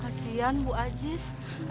kasian bu ajiis